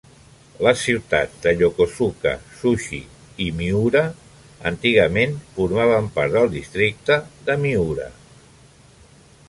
Les ciutats de Yokosuka, Zushi i Miura antigament formaven part del districte de Miura.